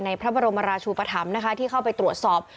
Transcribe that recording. ในพระบรมราชูปฐำที่เข้าไปตรวจสอบ